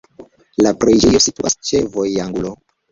La preĝejo situas ĉe vojangulo.